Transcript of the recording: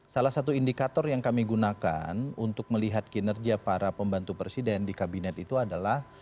salah satu indikator yang kami gunakan untuk melihat kinerja para pembantu presiden di kabinet itu adalah